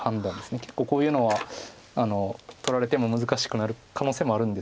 結構こういうのは取られても難しくなる可能性もあるんですけど。